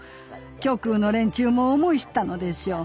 極右の連中も思い知ったのでしょう。